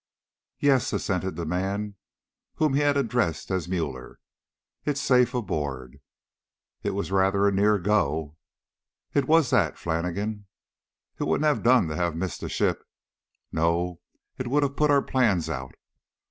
"Yes," assented the man whom he had addressed as Müller, "it's safe aboard." "It was rather a near go." "It was that, Flannigan." "It wouldn't have done to have missed the ship." "No, it would have put our plans out."